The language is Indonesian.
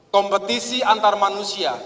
kompetisi antar manusia